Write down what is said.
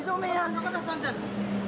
高田さんじゃない。